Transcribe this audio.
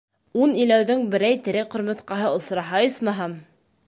Ун иләүҙең берәй тере ҡырмыҫҡаһы осраһа, исмаһам?